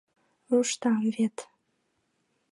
Руштам вет.